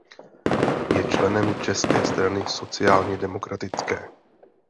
Je členem České strany sociálně demokratické.